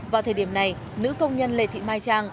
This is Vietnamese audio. vào thời điểm này nữ công nhân lê thị mai trang